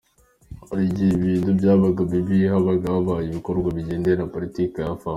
Hari igihe ibintu byabaga bibi iyo habaga habaye ibikorwa bigendanye na politike hafi aho.